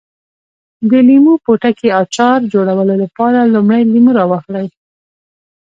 د لیمو پوټکي اچار جوړولو لپاره لومړی لیمو راواخلئ.